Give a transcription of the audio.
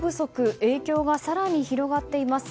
影響が更に広がっています。